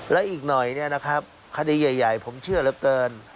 และอีกหน่อยเนี่ยนะครับคดีใหญ่ผมเชื่อเหลือเกิน